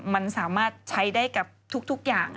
มันสามารถใช้ได้กับทุกอย่าง